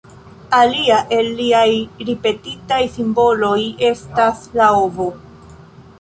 Alia el liaj ripetitaj simboloj estas la ovo.